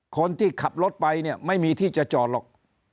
คนที่ขับรถไปเนี่ยไม่มีที่จะจอดหรอก